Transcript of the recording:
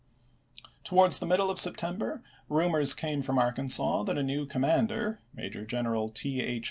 1862. Towards the middle of September rumors came from Arkansas that a new commander — Major General T. H.